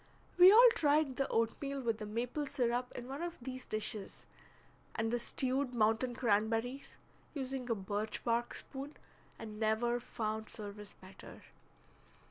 We all tried the oatmeal with the maple syrup in one of these dishes, and the stewed mountain cranberries, using a birch bark spoon, and never found service better.